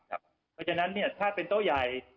เพราะฉะนั้นถ้าเป็นโต๊ะใหญ่